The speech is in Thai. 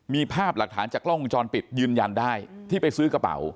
มีภาพหลักฐานจากกล้องวงจรปิดยืนยันได้ที่ไปซื้อกระเป๋า